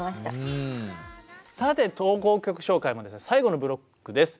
さて投稿曲紹介も最後のブロックです。